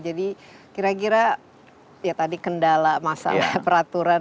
jadi kira kira ya tadi kendala masalah peraturan dan peraturan